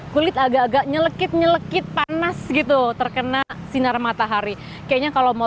kulit agak agak nyelekit nyelekit panas gitu terkena sinar matahari kayaknya kalau mau